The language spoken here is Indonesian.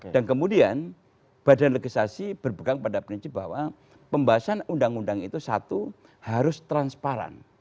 dan kemudian badan legislasi berpegang pada prinsip bahwa pembahasan undang undang itu satu harus transparan